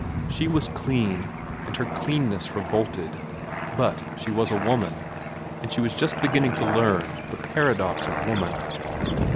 She was clean, and her cleanness revolted; but she was woman, and she was just beginning to learn the paradox of woman.